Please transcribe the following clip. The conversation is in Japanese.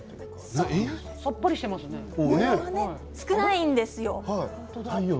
模様が少ないんですよ。